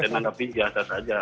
dan anda pinjah saja